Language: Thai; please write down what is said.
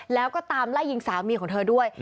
แล้วก็ตามไล่ยิงสามีของเธอด้วย